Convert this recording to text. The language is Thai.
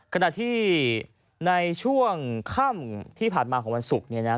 ขณะที่ในช่วงค่ำที่ผ่านมาของวันศุกร์เนี่ยนะ